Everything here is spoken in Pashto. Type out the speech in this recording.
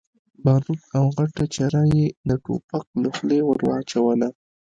باروت او غټه چره يې د ټوپک له خولې ور واچوله.